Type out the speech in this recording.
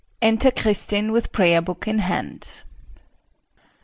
[Enter Kristin with prayer book in hand.